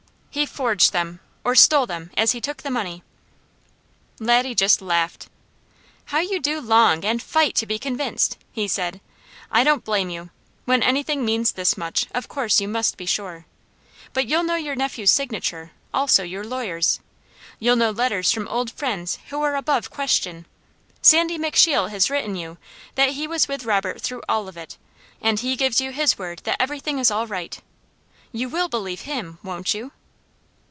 "He forged them, or stole them, as he took the money!" Laddie just laughed. "How you do long, and fight, to be convinced!" he said. "I don't blame you! When anything means this much, of course you must be sure. But you'll know your nephew's signature; also your lawyer's. You'll know letters from old friends who are above question. Sandy McSheel has written you that he was with Robert through all of it, and he gives you his word that everything is all right. You will believe him, won't you?"